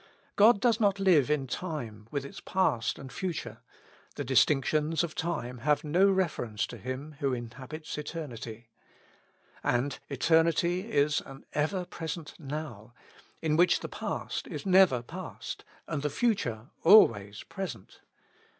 God does not live in time with its past and future ; the distinctions of time have no reference to Him who inhabits Eter nity. And Eternity is an ever present Now, in which the past is never past, and the future always present.